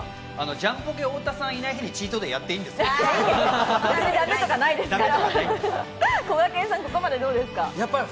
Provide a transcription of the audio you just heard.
ジャンポケ・太田さんいない日にチートデイやっていいんですか？